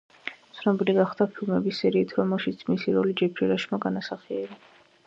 ცნობილი გახდა ფილმების სერიით, რომელშიც მისი როლი ჯეფრი რაშმა განასახიერა.